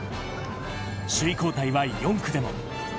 首位交代は４区でも。